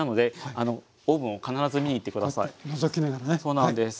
そうなんです。